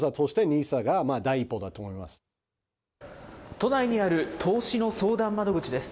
都内にある投資の相談窓口です。